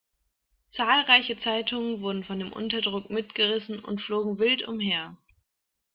Zahlreiche Zeitungen wurden von dem Unterdruck mitgerissen und flogen wild umher.